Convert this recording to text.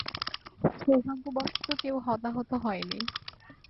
সৌভাগ্যবশত কেউ হতাহত হয় নি।